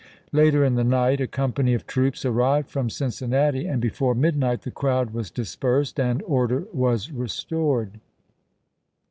Later in the night a company of troops arrived from Cincinnati, and before midnight the crowd was dispersed, and order was restored.